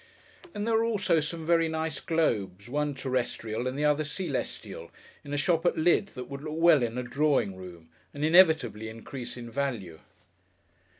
And there were also some very nice globes, one terrestrial and the other celestial, in a shop at Lydd that would look well in a drawing room and inevitably increase in value....